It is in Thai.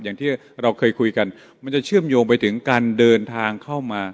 อย่างที่เราเคยคุยกันมันจะเชื่อมโยงไปถึงการเดินทางเข้ามา